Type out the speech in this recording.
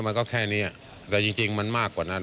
มันก็แค่นี้แต่จริงมันมากกว่านั้น